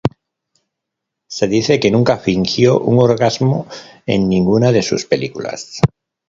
Se dice que nunca fingió un orgasmo en ninguna de sus películas.